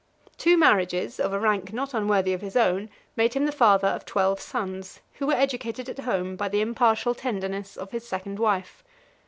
Two marriages, of a rank not unworthy of his own, made him the father of twelve sons, who were educated at home by the impartial tenderness of his second wife.